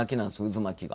渦巻きが。